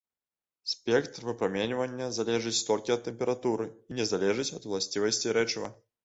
Спектр выпраменьвання залежыць толькі ад тэмпературы і не залежыць ад уласцівасцей рэчыва.